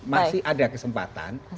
masih ada kesempatan